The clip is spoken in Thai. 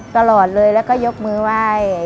ตลอดเลยแล้วก็ยกมือไหว้